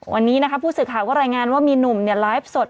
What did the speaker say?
วันนี้นะคะผู้สื่อข่าวก็รายงานว่ามีหนุ่มไลฟ์สด